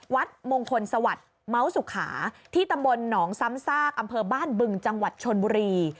วัดมงคลสวัสดิ์เมาส์สุขาที่ตำบลหนองซ้ำซากอำเภอบ้านบึงจังหวัดชนบุรี